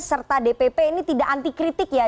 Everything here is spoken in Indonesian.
serta dpp ini tidak anti kritik ya